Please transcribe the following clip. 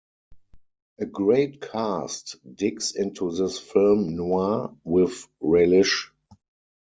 A great cast digs into this film noir with relish.